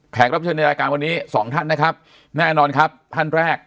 รับเชิญในรายการวันนี้สองท่านนะครับแน่นอนครับท่านแรก